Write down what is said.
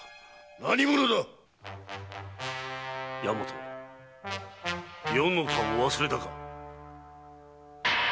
何者だ⁉大和余の顔を忘れたか。